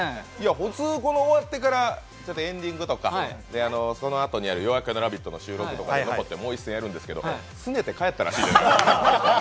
普通終わってからエンディングとかそのあとにやる「夜明けのラヴィット！」の収録とか残って、もう一戦やるんですけどすねて帰ったらしいですね。